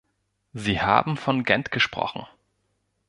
Sie haben von Gent gesprochen.